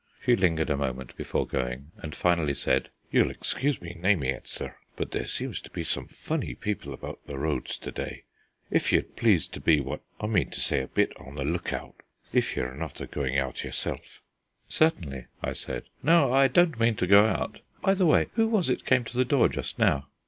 She lingered a moment before going, and finally said: "You'll excuse me naming it, sir, but there seems to be some funny people about the roads to day, if you'd please to be what I mean to say a bit on the look out, if you're not a going out yourself." "Certainly," I said. "No, I don't mean to go out. By the way, who was it came to the door just now?"